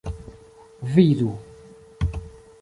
vidu